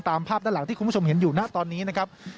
ตามภาพด้านหลังที่คุณผู้ชมเห็นอยู่นะตอนนี้นะครับ